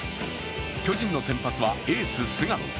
巨人の先発はエース・菅野。